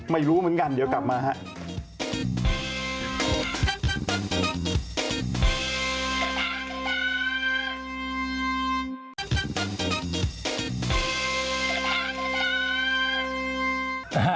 ไม่รู้เหมือนกันเดี๋ยวกลับมาฮะ